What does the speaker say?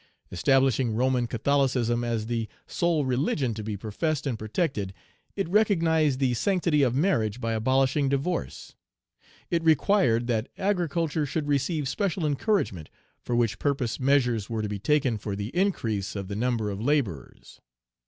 Establishing Roman Catholicism as the sole religion to be professed and protected, it recognized the sanctity of marriage by abolishing divorce. It required that agriculture should receive special encouragement, for which purpose measures were to be taken for the increase of the number of laborers.